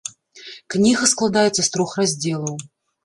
Кніга складаецца з трох раздзелаў.